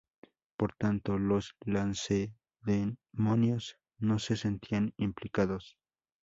Por tanto, los lacedemonios no se sentían implicados.